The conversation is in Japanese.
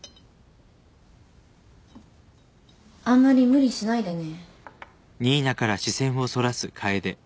あんまり無理しないでね。